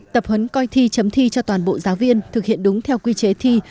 tập huấn coi thi chấm thi cho toàn bộ giáo viên thực hiện đúng theo quy chế thi